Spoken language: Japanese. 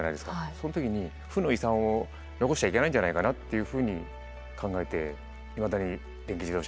その時に負の遺産を残しちゃいけないんじゃないかなっていうふうに考えていまだに電気自動車に乗っています。